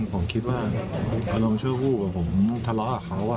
ผมคิดว่าอารมณ์ชั่ววูบผมทะเลาะกับเขา